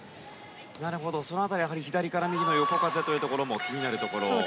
なるほど、その辺りは左から右への横風というのも気になるところ。